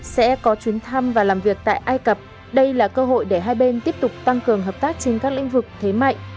sẽ có chuyến thăm và làm việc tại ai cập đây là cơ hội để hai bên tiếp tục tăng cường hợp tác trên các lĩnh vực thế mạnh